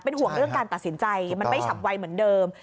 ห่วงเรื่องการตัดสินใจมันไม่ฉับไวเหมือนเดิม